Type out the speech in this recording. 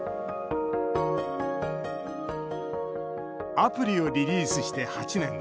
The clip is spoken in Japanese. アプリをリリースして８年。